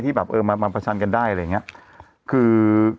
ที่บอบเออมามามันชันกันได้อะไรอย่างเงี้ย